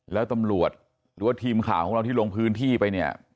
แล้วตำรวจหรือว่าทีมข่าวของเราที่ลงพื้นที่ไปเนี่ย